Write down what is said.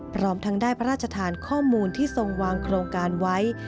พร้อมทั้งได้พระราชทานข้อมูลที่ทรงวางโครงการไว้